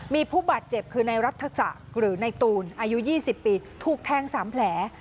มีผู้บาดเจ็บคือในรัฐศักดิ์หรือในตูนอายุ๒๐ปีถูกแทง๓แผล